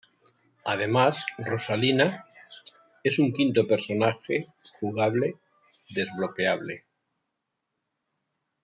Además, Rosalina es un quinto personaje jugable desbloqueable.